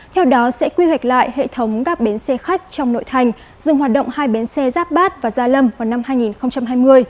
theo đó sẽ quy hoạch lại hệ thống các bến xe khách trong nội thành dừng hoạt động hai bến xe giáp bát và gia lâm vào năm hai nghìn hai mươi